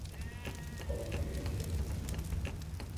Alışverişe.